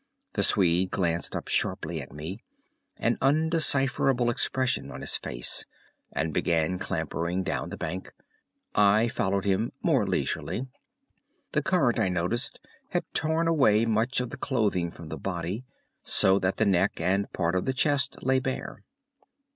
The Swede glanced up sharply at me, an undecipherable expression on his face, and began clambering down the bank. I followed him more leisurely. The current, I noticed, had torn away much of the clothing from the body, so that the neck and part of the chest lay bare.